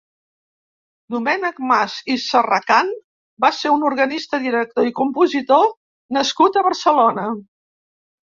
Domènec Mas i Serracant va ser un organista, director i compositor nascut a Barcelona.